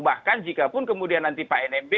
bahkan jikapun kemudian nanti pak nmb